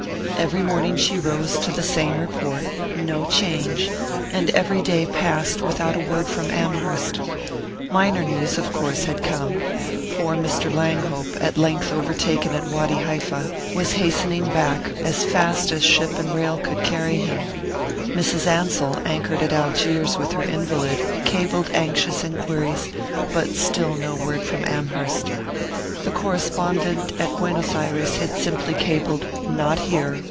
Every morning she rose to the same report "no change" and every day passed without a word from Amherst. Minor news, of course, had come: poor Mr. Langhope, at length overtaken at Wady Halfa, was hastening back as fast as ship and rail could carry him; Mrs. Ansell, anchored at Algiers with her invalid, cabled anxious enquiries; but still no word from Amherst. The correspondent at Buenos Ayres had simply cabled "Not here.